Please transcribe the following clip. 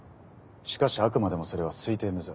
しかしあくまでもそれは推定無罪。